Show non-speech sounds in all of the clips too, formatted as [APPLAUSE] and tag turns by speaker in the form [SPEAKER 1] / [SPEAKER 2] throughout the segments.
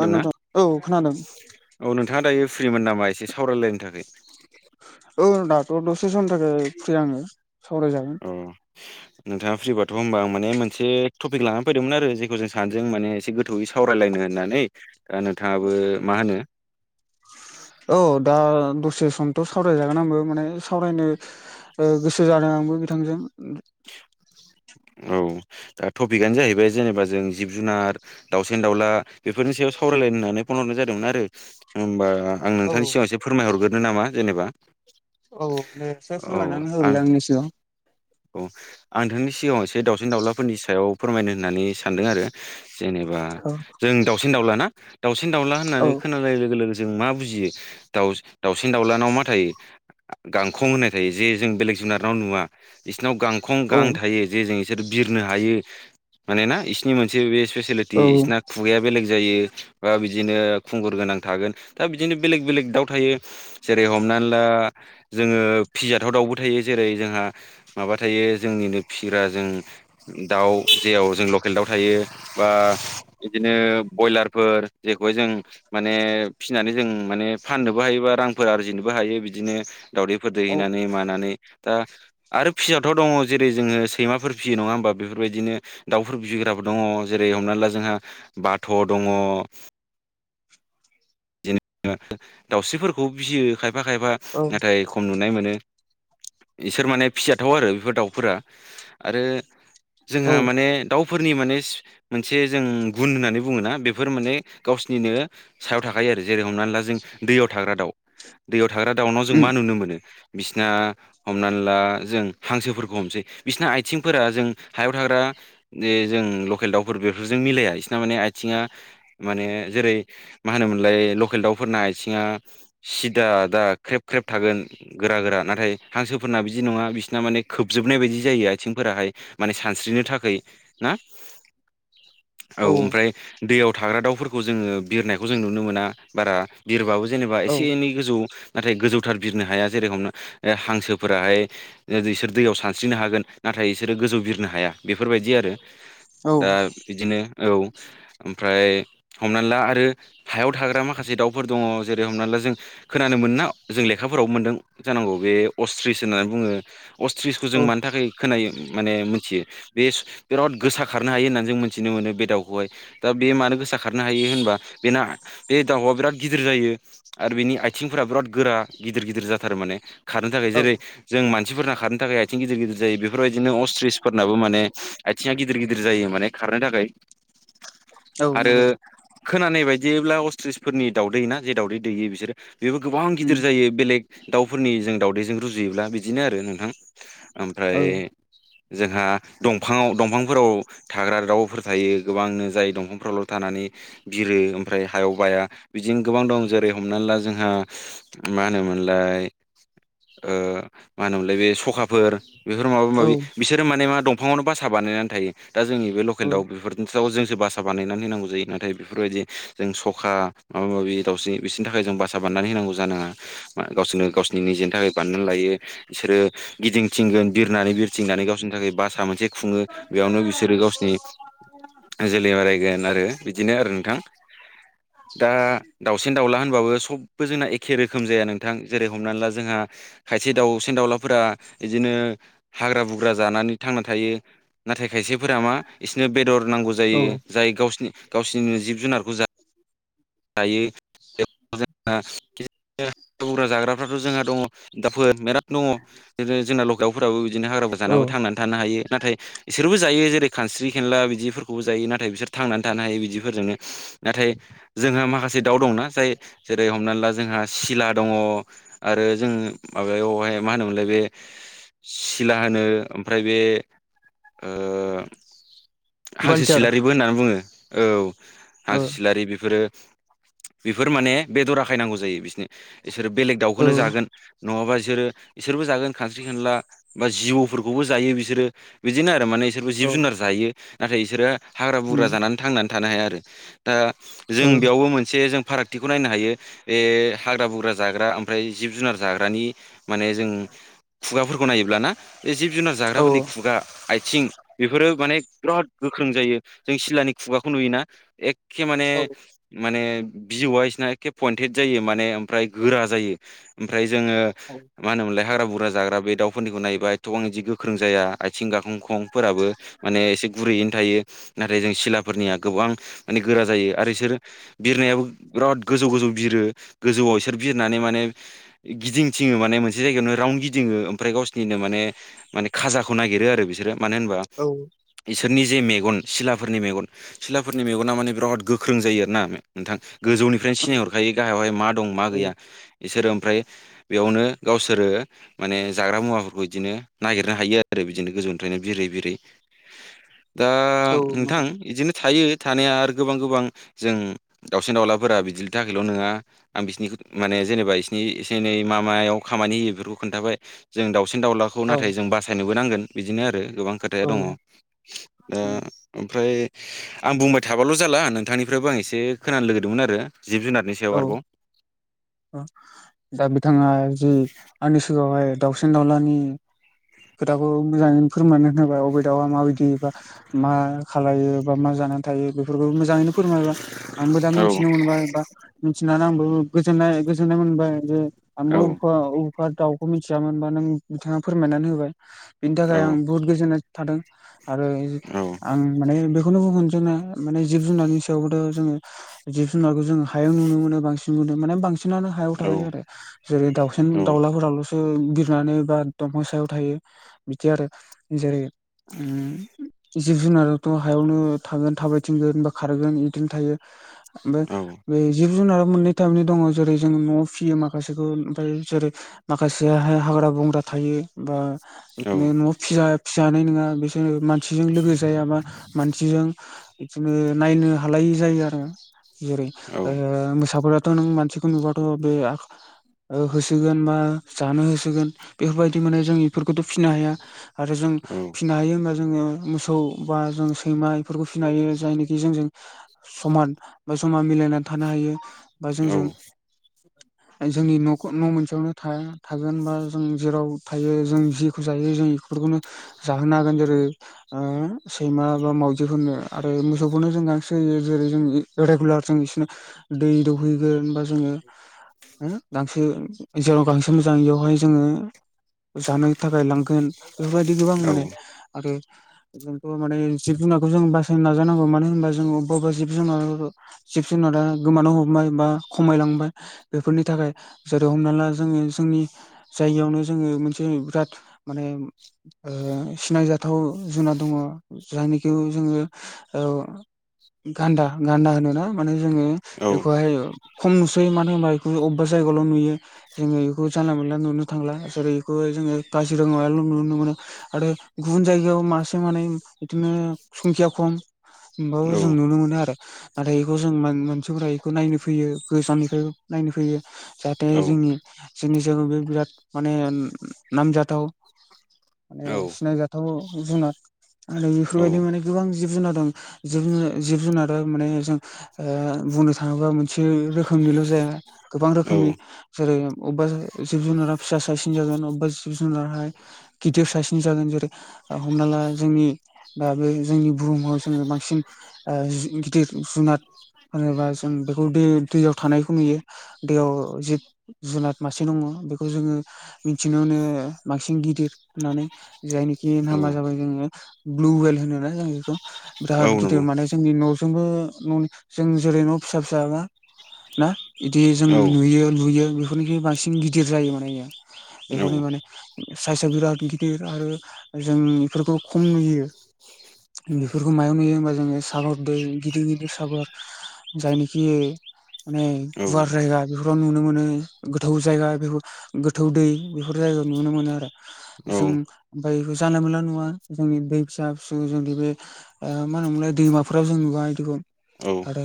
[SPEAKER 1] औ
[SPEAKER 2] ना?
[SPEAKER 1] नोंथां औ खोनादों
[SPEAKER 2] औ नोंथाङा दायो फ्रिमोन नामा एसे सावरायलायनो थाखाय?
[SPEAKER 1] औ दाथ' दसे समनि थाखाय फ्रि आङो सावरायजागोन
[SPEAKER 2] औ नोंथाङा फ्रिबाथ' होनबा आं माने मोनसे टपिक लानानानै फैदोंमोन आरो जेखौ जों सानदों माने एसे गोथौयै सावरायलायनो होननानै दा नोंथाङाबो मा होनो?
[SPEAKER 1] औ दा दसे समथ' सावरायजागोन आंबो माने सावरायनो गोसो जादों आंबो बिथांजों
[SPEAKER 2] औ दा टपिकनो जाहैबाय जेनेबा जों जिब जुनार दावउसेन दाउला बेफोरनि सायाव सावरायलायनो होननानै फन हरनाय जादोंमोन आरो होमबा आं
[SPEAKER 1] औ
[SPEAKER 2] नोंथांनि सिगाङाव एसे फोरमायहरग्रोनो नामा जेनेबा
[SPEAKER 1] औ दस फन
[SPEAKER 2] औ
[SPEAKER 1] लानानै
[SPEAKER 2] आं
[SPEAKER 1] हरलै आंनैसोआव
[SPEAKER 2] औ आं नोंनि सिगाङाव एसे दाउसिन दाउलाफोरनि सायाव फोरमायनो होननानै सानदों आरो जेनेबा जों दाउसिन दाउला ना दाउसिन दाउला होननानै
[SPEAKER 1] औ
[SPEAKER 2] खोनानाय लोगो जों मा बुजियो दउ दाउसिन दाउलानाव मा थायो? गांखं होननाय थायो। जे जों बेलेग जुनाराव नुवा बिसोरनाव गांखं
[SPEAKER 1] औ
[SPEAKER 2] गां थायो जे जों बिसोर बिरनो हायो मानोना बिसोरनि मोनसे बे स्पेसिलिटि बिसोरना खुगाया बेलेग जायो बा बिदिनो खुंगुर गोनां थागोन दा बिदिनो बेलेग बेलेग दाउ थायो। जेरै हमनानै ला जोङो फिजाथाव दाउबो थायो जेरै जोंहा माबा थायो जोंनिनो फिसिग्रा जों दाउ जेराव जों लकेल दाउ थायो। बा बिदिनो बयलारफोर जेखौ जों माने फिनानै जों माने फाननोबो हायो बा रांफोर आरजिनोबो हायो बिदिनो दावदैफोर
[SPEAKER 1] औ
[SPEAKER 2] दैहैनानै मानानै दा आरो फिसिजाथाव' दङ' जेरै जोङो सैमाफोर फिसियो नङा होमबा बेफोरबायदिनो दाउफोर फिसिग्राफोर दङ' जेरै हमनानै ला जोंहा बाथ' दङ' जेनेबा दाउस्रिफोरखौ फियो खायफा खायफा
[SPEAKER 1] औ
[SPEAKER 2] नाथाय खम नुनाय मोनो। बिसोर माने फिजाथाव आरो बेफोर दाउफोरा आरो जोंहा
[SPEAKER 1] औ
[SPEAKER 2] माने दाउफोरनि माने मोनसे जों गुन होननानै बुङोना बेफोर माने गावसोरनिनो सायाव थाखायो आरो जेरै हमनानै ला जों दैयाव थाग्रा दाउ दैयाव थाग्रा दाउनाव जों
[SPEAKER 1] उम
[SPEAKER 2] मा नुनो मोनो? बिसिना हमनानै ला जों हांसोफोरखौ हमसै बिसना आथिंफोरा जों हायाव थाग्रा बे जों लकेल दाउफोर बेफोरजों मिलाया बिसिना माने आथिङा माने जेरै मा होनोमोनलाय लकेल दाउफोरना आथिङा सिदा दा ख्रेब ख्रेब थागोन। गोरा गोरा नाथाय हांसोफोरना बिदि नङा बिसिना माने खोबजोबनाय बायदि जायो आथिंफोराहाय। माने सानस्रिनो थाखोय ना?
[SPEAKER 1] [INAUDIBLE]
[SPEAKER 2] औ ओमफ्राय दैयाव थाग्रा दाउफोरखौ जोङो बिरनायखौ जों नुनो मोना बारा। बिरबाबो जेनेबा
[SPEAKER 1] औ
[SPEAKER 2] एसे एनै गोजौ नाथाय गोजौथार बिरनो हाया जेरे हमना ओ हांसोफोराहाय ओ बिसोर दैयाव सानस्रिनो हागोन नाथाय बिसोरो गोजौ बिरनो हाया बेफोरबायदि आरो।
[SPEAKER 1] औ
[SPEAKER 2] दा बिदिनो औ ओमफ्राय हमनानै ला आरो हायाव थाग्रा माखासे दाउफोर दङ' जेरै हमना ला जों खोनानो मोना जों लेखाफोराव मोन्दों जानांगौ बे अस्थ्रिस होननानै बुङो। अस्थ्रिसखौ जों
[SPEAKER 1] औ
[SPEAKER 2] मानो थाखाय खोनायो माने मोनथियो बे बिराद गोसा खारनो हायो होननानै जों मिथिनो मोनो बे दाउखौहाय। दा बे मानो गोसा खारनो हायो होनबा बेना बे दाउआ बिराद गिदिर जायो। आरो बिनि आथिंफोरा बिराद गोरा गिदिर गिदिर जाथार माने खारनो थाखाय
[SPEAKER 1] औ
[SPEAKER 2] जेरै जों मानसिफोरना खारनो थाखाय आथिं गिदिर गिदिर जायो बेफोरबायदिनो अस्थ्रिसफोरनाबो माने आथिङा गिदिर गिदिर जायो माने खारनो थाखाय
[SPEAKER 1] औ
[SPEAKER 2] आरो
[SPEAKER 1] नंगौ
[SPEAKER 2] खोनानाय बायदि जेब्ला अस्थ्रिसफोरनि दाउदै ना जे दावदै दैयो बिसोरो बेबो गोबां
[SPEAKER 1] उम
[SPEAKER 2] गिदिर जायो बेलेग दाउफोरनि जों दावदैजों रुजुयोब्ला बिदिनो आरो नोंथां
[SPEAKER 1] औ
[SPEAKER 2] ओमफ्राय जोंहा दंफाङाव दंफांफोराव थाग्रा दाउफोर थायो गोबांनो जाय दंफांफोरावल' थानानै बिरो ओमफ्राय हायाव बाया बिदिनो गोबां दं'जेरै हमनानै ला जोंहा मा होनोमोनलाय ओ मा होनोमोनलाय बे सखाफोर बेफोर माबा
[SPEAKER 1] औ
[SPEAKER 2] माबि बिसोरो माने मा दंफाङावनो बासा बानायनानै थायो दा जोंनि बे लकेल
[SPEAKER 1] औ
[SPEAKER 2] दाउ बेफोरजों जाव जोंसो बासा बानायनानै होनांगौ जायो नाथाय बेफोरबायदि जों स'खा माबा माबि दावउसिन बिसिनि थाखाय जों बासा बान्नानै होनांगौ जानाङा। मा गावसोरनो गावसिनि निजेनि थाखाय बानायनानै लायो बिसोरो गिदिंथिंगोन बिरनानै बिरथिंनानै गावसोरनि थाखाय बासा मोनसे खुङो बेयावनो बिसोरो गावसोरनि
[SPEAKER 1] [INAUDIBLE]
[SPEAKER 2] जोलै बारायगोन आरो बिदिनो आरो नोंथां।
[SPEAKER 1] [INAUDIBLE]
[SPEAKER 2] ओ दाउसिन दाउला होनबाबो सबबो जोंना एखे रोखोम जाया नोंथां जेरै हमनानै ला जोंहा खायसे दाउसेन दाउलाफोरा बिदिनो हाग्रा बुग्रा जानानै थांना थायो नाथाय खायसेफोरा मा बिसोरनो बेदर नांगौ
[SPEAKER 1] औ
[SPEAKER 2] जायो। जाय गावसिनि गावसिनि जिब जुनारखौ जाय जायो [UNINTELLIGIBLE] जोंहा [UNINTELLIGIBLE] जाग्राफ्राथ' जोंहा दङ' [UNINTELLIGIBLE] जोंना ल दावफोराबो बिदिनो हाग्राबो
[SPEAKER 1] औ
[SPEAKER 2] जानाबो थांनानै थानो हायो नाथाय बिसोरबो जायो जेरै खानस्रि खेनला बिदिफोरखौबो जायो नाथाय बिसोर थांनानै थानो हायो बिदिफोरजोंनो। नाथाय जोंहा माखासे दाउ दंना जाय जेरै हमना ला जोंहा सिला दङ आरो जों माबायावहाय मा होनोमोनलाय बे सिला होनो ओमफ्राय बे हांसो
[SPEAKER 1] बालचार
[SPEAKER 2] सिलारिबो होननानै बुङो औ
[SPEAKER 1] औ
[SPEAKER 2] हांसो सिलारि बेफोरो बेफोर माने बेदरााखायनांगौ जायो बिसोरनो बिसोरो बेलेग
[SPEAKER 1] औ
[SPEAKER 2] दाउखौनो जागोन नङाबा बिसोरो बिसोरबो जागोन खानस्रि खनला बा जिबौफोरखौबो जायो बिसोरो बिदिनो आरो माने बिसोरबो जिब
[SPEAKER 1] औ
[SPEAKER 2] जुनार जायो नाथाय बिसोरो हाग्रा बुग्रा
[SPEAKER 1] उम
[SPEAKER 2] जानानै थांनानै थानो हाया आरो दा जों
[SPEAKER 1] औ
[SPEAKER 2] बेयावबो मोनसे जों फारागथिखौ नायनो हायो बे हाग्रा बुग्रा जाग्रा ओमफ्राय जिब जुनार जाग्रानि माने जों खुगाफोरखौ नायोब्लाना बे जिब जुनार
[SPEAKER 1] औ
[SPEAKER 2] जाग्राफोरनि खुगा आथिं बेफोरो माने बिराद गोख्रों जायो जों सिलानि खुगाखौ नुयोना एखे माने
[SPEAKER 1] औ
[SPEAKER 2] माने भिु वाइसना एखे पइन्टेड जायो माने ओमफ्राय गोरा जायो ओमफ्राय जोङो
[SPEAKER 1] औ।
[SPEAKER 2] मा होनोमोनलाय हाग्रा बुरजा जाग्रा बे दाउफोरनिखौ नायोबा थबां बिदि गोख्रों जाया आथिं गाखांखंफोराबो माने गुरैयैनो थायो नाथाय जों सिलाफोरनिया गोबां माने गोरा जायो आरो बिसोर बिरनायाबो बिराद गोजौ गोजौ बिरो गोजौआव इसोर बिरनानै माने गिदिंथिङो माने मोनसे जायगायावनो राउन्ड गिदिङो ओमफ्राय गावसोर बिदिनो माने माने खाजाखौ नागिरो आरो बिसोरो मानो होनबा
[SPEAKER 1] औ।
[SPEAKER 2] इसोरनि जे मेगन सिलाफोरनि मेगन सिलाफोरनि मेगना माने बिराद गोख्रों जायो आर ना नोंथां गोजौनि बेफ्रायनो
[SPEAKER 1] औ
[SPEAKER 2] सिनायहरखायो गाहायावहाय मा दं मा
[SPEAKER 1] औ
[SPEAKER 2] गैया बिसोरो ओमफ्राय बेयावनो गावसोरो माने जाग्रा मुवाफोरखौ बिदिनो नागिरनो हायो आरो बिदिनो गोजौनिफ्रायनो बिरै बिरै दा
[SPEAKER 1] औ नंगौ
[SPEAKER 2] नोंथां बिदिनो थायो थानाया आरो गोबां गोबां जों दाउसिन दाउलाफोरा बिदिनि थाखायल' नङा आं बिसोरनिखौ माने जेनेबा बिसिोरनि एसेनै माबायाव खामानि होयो बेफोरखौ खोन्थाबाय जों दाावसिन दाउलाखौ नाथाय
[SPEAKER 1] औ
[SPEAKER 2] जों बासायनोबो नांगोन बिदिनो आरो गोबां खोथाया दङ
[SPEAKER 1] औ
[SPEAKER 2] ओ। ओमफ्राय आं बुंबाय थाबाल' जाला नोंथांनिफ्रायबो आं एसे खोनानो लगैदोंमोन आरो जिब जुनारनिस
[SPEAKER 1] औ। दा बिथाङा जि आंनि सिगाङावहाय दाउसिन दाउलानि खोथाखौ मोजाङै फोरमानो होनोबाय अबे दाउआ माबायदिबा मा खालायो बा मा जानानै थायो बेफोरखौ मोजाङैनो फोरमायबा आंबो दा
[SPEAKER 2] औ
[SPEAKER 1] मिथिनो मोनबाया मिथिनानै आंबो गोजनाय गोजोननाय मोनबाय जे
[SPEAKER 2] औ
[SPEAKER 1] आंबोबे अबेखा दाउ खौ मिथियामोनबा नों बिथाङा फोरमायनानै होबाय बिनि
[SPEAKER 2] औ
[SPEAKER 1] थाखाय आं बुहुद गोजोननाय थादों आरो
[SPEAKER 2] औ
[SPEAKER 1] आं माने बेखौनोबो मोनदोंना माने जिब जुनारनि सायावबोथ' जोङो जिब जुनारखौ जोङो हायाव नुनो मोनो बांसिन नुो माने बांसिन बांसिनानो हायाव
[SPEAKER 2] औ
[SPEAKER 1] थायो आरो जेरै दाउसिन
[SPEAKER 2] औ
[SPEAKER 1] दावउलाफोर दावउला बिरनानै बा दंफां सायाव थायो बिदि आरो जेरै उम। जिब जुनारथ' हायावनो थागोन थाबायथिंगोन बा खारगोन बिदिनो थायो
[SPEAKER 2] औ
[SPEAKER 1] ओमफ्राय बे जिब जुनार मोननै टाइमनो दङ जेरै जों न'आव फियो माखासेखौ ओमफ्राय जेरै माखासेयाहाय हाग्रा बंग्रा थायो बा
[SPEAKER 2] औ
[SPEAKER 1] बिदिनो न'आव फि फि जानाय नङा बिसोरो मानसि मानसिजों लोगो जायाबा मानसिजों बिदिनो नायनो हालायि जायो आरो जै
[SPEAKER 2] औ
[SPEAKER 1] मोसाफोरााथ' नों मानसिखौ नुबाथ' बे ओ-होसोगोन बा जानो होसोगोन बेफोरबायदि माने जों बेफोरखौथ फिसिनो हाया आरो जों
[SPEAKER 2] औ
[SPEAKER 1] फिनो हायो होनबा जोङो मोसौ बा जों सैमा फोरबो फिनो हायो जायनोखि जों समान बा समान मिलायन थानो हायो बा जोंजों जोंनि न मोनसेयावनो थाया थागोन बा जों जेराव थायो जों जेखौ जायो जों बेफोरखौनो जाहोनो हागोन जेरैओ- सैमा बा मावजि बिदिफोरनो आरो मोसौफोरनो जों गांसो होयो जेरै जों रेगुलार जों बिसनो दै दौहैगोन बा जोङो हम गांसो जेराव गांसो मोजां इयावहाय जोङो जानो थाखाय लांगोन। बेफोर बायदि गोबां माने आरो जोंथ माने जिब जुनारखौ जों बा सायनो नाजानांगौ मानो होनबा जों अबा अबा जिब जुनार जिब जुनारा गोमानो हमबाय बा खमायलांबाय। बेफोरनि थाखाय जेरै हमना ला जोङो जोंनि जायियावनो जोङो मोनसे बिराद माने ओ-सिनायजाथाव जुनार दङ जायनिखौ जोङो औ। गान्दा गान्दा होनोना माने जोङो बेखौहाय। खम नुसोयो मानो होनबा बेखौ अबेबा जायगाल‌ नुयो जोङो बेखौ जानला मोनला नुनो थांला जेरै खौ जोङो काजिरङाल नुनो मोनो। आरो गुबुन जायगायाव मासे मानैे इदिनो संखिया खम। होमबाबो जों नुनो मोनो आरो नाथाय। बेखौ जों मानसिफोरा बेखौ नायनो फैयो गोजाननिफ्राय नायनो फैयो जाहाथे जोंनि। जोंनि जो बिराद माने नामजाथाव। ओ सिनायजाथाव जुनाद आरो
[SPEAKER 2] औ
[SPEAKER 1] बेफोरबायदि माने गोबां जिब जुनार दं जिब जुन जिब जुनार माने जों। ओ बुंनो थाङोबा मोनसे रोखोमनिल जाया गोबां
[SPEAKER 2] औ
[SPEAKER 1] रोखोमनि जेरै अबेबा जिब जुनारा फिसा सासेन जागोन अबेबा जिब जुनारहाय गिदिर फिसासिन जागोन जेरै। ओ-हमना ला जोंनि दा बे जोंनि बुहुमाव जोङो बांसिन ओ जि गिदिर जुनार होनोबा जों बेखौ दै दैयाव थानायखौ नुयो दैयाव जि जुनाद मासे दङ बेखौ जोङो। मिथिनायावो बांसिन गिदिर होननानै जायनिखि
[SPEAKER 2] औ
[SPEAKER 1] नामा जाबाय। जोंङो ब्लुवेल होनोना जों बेखौ
[SPEAKER 2] औ
[SPEAKER 1] बिराद गिदिर
[SPEAKER 2] नंगौ
[SPEAKER 1] माने जोंनि नजोंबो ननि जों जेरै न फिसा फिसा ना ना बिदि जों
[SPEAKER 2] औ
[SPEAKER 1] नुयो लुयो। बेफोरनिख्रुइ बांसिन गिदिर जायो माने इयो बेखौनो माने साइसआ बिराद गिदिर आरो जों इफोरखौ खम नुयो। बेफोरखौ मायाव नुयो हबा जोङो सागर दै गिदिर गिदिर सागर जायनिखि माने
[SPEAKER 2] औ
[SPEAKER 1] गुवार जायगा बेफोराव नुनो मोनो गोथौ जायगा बेफोर गोथौ दै बेफोर जायगायाव नुनो मोनो आरो।
[SPEAKER 2] औ
[SPEAKER 1] जों ओमफ्राय बे जानाय मोनला नुवा जोंनि दै फिसा फिसौ जोंनि बे ओ मा होनोमोनलाय दैमाफोराव जों नुवा इदिखौ।
[SPEAKER 2] औ
[SPEAKER 1] आरो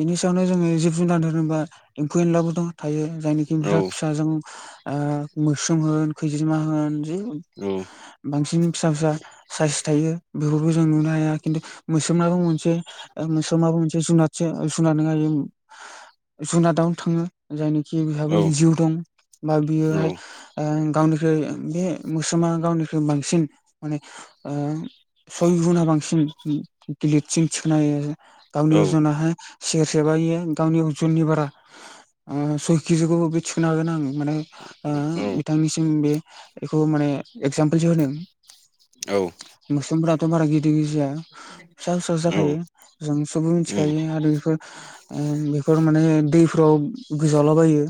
[SPEAKER 1] इनि सायावनो जोङो जिब जुनार दोनो एम्फौ एनलाबो दं थायो जायनिखि
[SPEAKER 2] औ
[SPEAKER 1] बिराद फिसा जों। ओ मोस्रोम होन खैजिमा होन जि
[SPEAKER 2] औ
[SPEAKER 1] बांसिन फिसा फिसा। साइस थायो बेफोरखौ जों नुनो हाया खिन्थु मोस्रोमाबो मोनसे ओ मो माबा मोनसे जुनारसे सुनारनो हायो जुनादाव थाङो जायनोखि बेहाबो जिउ दं बा बियोहाय ओ गावनिख्रुइ बे मोस्रोमा गावनिख्रुइ बांसिन माने ओ सय गुना बांसिन गिलिरसिन थिखोनो हायो आरो।
[SPEAKER 2] औ
[SPEAKER 1] गावनि
[SPEAKER 2] औ
[SPEAKER 1] अजनाहाय सेरसे बा इयो गावनि अजननि बारा ओ सय किजिखौ बे थिखोनो हागोन आं माने ओ बिथांनिसिम बे एखौ माने एजाम्फोलसो होनो मोस्रोमफोराथ बारा गिदिर गिदिर जाया फिसा फिसासो जाखायो जों सबबो मिथिखायो आरो बेफोर ओ बेफोर माने दैफ्राव गोजावलाबायो।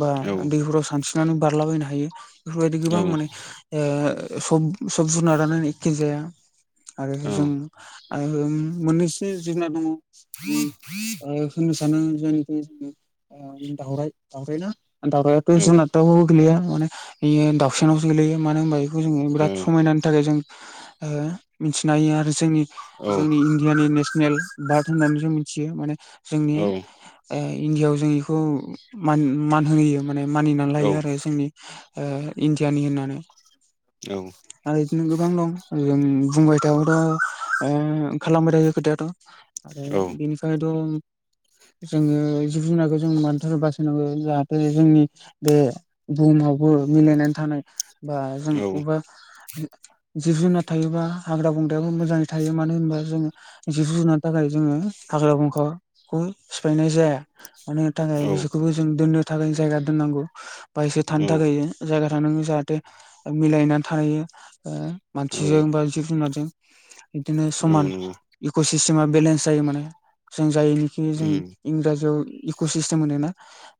[SPEAKER 1] बा दैफोराव सानस्रिनानै बारलाबायनो हायो बेफोरबायदि गोबां माने ओ सब सब जुनारानो एखे जाया आरो जों ओ मोननै जिब जुनार दंङ ओ होननो सानो जायनिख्रुइ ओ दावराय दावउरायना दावरायथ' जुनाद दावबो गोलैया माने बियो दाउसेनावसो गोलैयो मानो होनबा जोंङो बिराद समायनानि थाखाय जों ओ मिथिनो हायो आरो जोंनि जोंनि इण्डियानि नेसनेल भार्क होननानै जों मिथियो माने जोंनि
[SPEAKER 2] उम
[SPEAKER 1] ओ इण्डियाआव जों बेखौ मान होहोयो माने मानिनानै
[SPEAKER 2] औ औ
[SPEAKER 1] लायो आरो जोंनि ओ इणडियानि होननानै
[SPEAKER 2] औ
[SPEAKER 1] आरो बिदिनो गोबां दं जों बुंबाय थाबाथ' ओ खालामबाय थायो खोथाया आरो बिनिखायथ' जोंङो जिब जुनारखौ जों मानोथार बासायनांगौ जाहाथे जोंनि बे बुहुमावबो मिलायनानै थानाय बा जों अबेबा जिब जुनार थायोबा हाग्रा बंगायाबो मोजाङै थायो मानो होनबा जोंङो जिब जुनार थाखाय जोंङो हाग्रा बंग्राखौनो सिफायनाय जाया मानो थाखाय
[SPEAKER 2] औ
[SPEAKER 1] बिसोरखौबो जों दोननो थाखाय जायगा दोननांगौ बासे
[SPEAKER 2] औ
[SPEAKER 1] थानो थाखाय जायगा थांनांगौ जाहाथे मिलायना थायो ओ मानसिजों बा जिब जुनारजों बिदिनो
[SPEAKER 2] औ औ
[SPEAKER 1] समान
[SPEAKER 2] नंगौ
[SPEAKER 1] इक' सिस्टेमा बेलेन्स जायो माने जों जायनिखिनि जों
[SPEAKER 2] उम
[SPEAKER 1] इंराजियाव इक' सिस्टेम होनो ना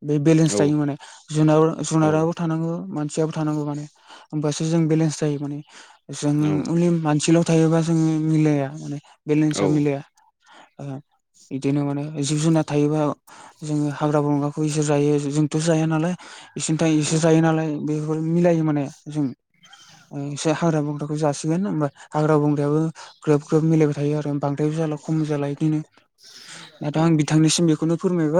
[SPEAKER 1] बे
[SPEAKER 2] औ
[SPEAKER 1] बेलेन्स थायो माने जुन जुनाराबो थानांगौ मानसियाबो थानांगौ माने होमबासो जों बेलेन्स जायो माने जों अनलि मानसिल' थायोबा जोंङो मिलाया माने बेलेन्सा मिलाया ओ बिदिनो माने जिब जुनार थायोबा जोंङो हाग्रा बंग्राखौ इसोर जायो जोंथ' जाया नालाय इसेनि थ
[SPEAKER 2] औ
[SPEAKER 1] एसे जायो नालाय बेफोर मिलायो माने जों से हाग्रा बंग्राखौ जासिगोन होमबा हाग्रा बंग्रायाबो ग्रोब ग्रोब मिलायबाय थायो आरो बांद्रायबो जाला खमबो जाला बिदिनो
[SPEAKER 2] औ
[SPEAKER 1] नाथाय आं बिथांनिसिम बेखौनो फोरमायबाय